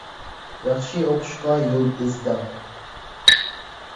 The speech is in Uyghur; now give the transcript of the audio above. ياخشى ئوقۇشقا يول ئىزدەڭ.